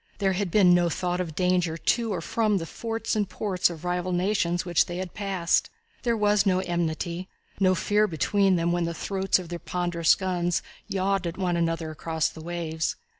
There had been no thought of danger to or from the forts and ports of rival nations which they had passed. There was no enmity, and no fear between them when the throats of their ponderous guns yawned at one another across the waves.